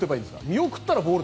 見送ったらボール？